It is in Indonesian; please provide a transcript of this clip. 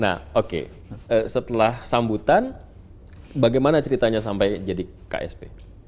nah oke setelah sambutan bagaimana ceritanya sampai jadi ksp